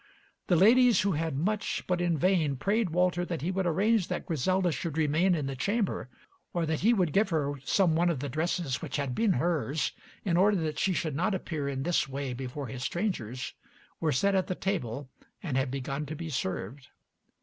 The ladies (who had much, but in vain, prayed Walter that he would arrange that Griselda should remain in the chamber, or that he would give her some one of the dresses which had been hers, in order that she should not appear in this way before his strangers) were set at the table and had begun to be served.